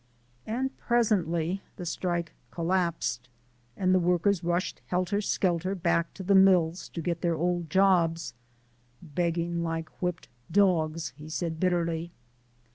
And presently the strike collapsed, and the workers rushed helter skelter back to the mills to get their old jobs. "Begging like whipped dogs," he said bitterly.